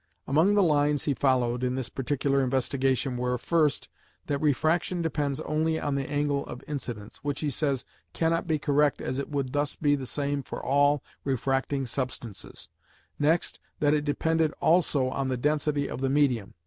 Among the lines he followed in this particular investigation were, first, that refraction depends only on the angle of incidence, which, he says, cannot be correct as it would thus be the same for all refracting substances; next, that it depended also on the density of the medium.